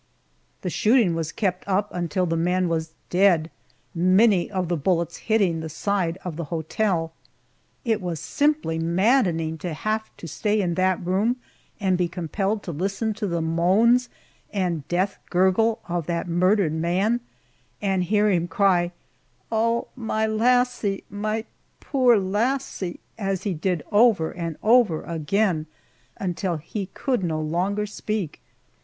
The shooting was kept up until after the man was dead, many of the bullets hitting the side of the hotel. It was simply maddening to have to stay in that room and be compelled to listen to the moans and death gurgle of that murdered man, and hear him cry, "Oh, my lassie, my poor lassie!" as he did over and over again, until he could no longer speak.